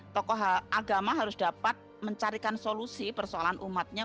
tokoh agama harus dapat mencarikan solusi persoalan umatnya